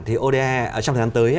thì oda trong thời gian tới